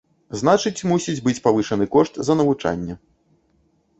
Значыць мусіць быць павышаны кошт за навучанне.